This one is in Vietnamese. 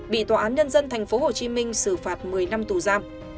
bị tòa án nhân dân tp hcm xử phạt một mươi năm tù giam